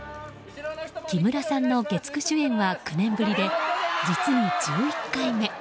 木村さんの月９主演は９年ぶりで実に１１回目。